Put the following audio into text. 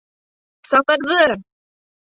Саҡырҙы!